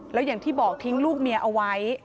แล้วอย่างที่บอกทิ้งลูกเมียเอาไว้